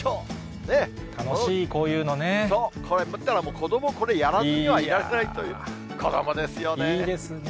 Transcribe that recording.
子ども、これやらずにはいられないという、子どもですよね。